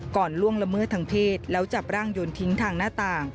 ล่วงละเมิดทางเพศแล้วจับร่างยนต์ทิ้งทางหน้าต่าง